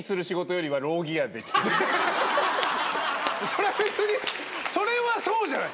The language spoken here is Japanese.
それは別にそれはそうじゃない。